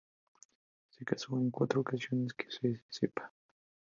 Se casó en cuatro ocasiones, que se sepa.